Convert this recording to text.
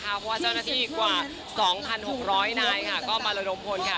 เพราะว่าเจ้าหน้าที่กว่า๒๖๐๐นายค่ะก็มาระดมพลค่ะ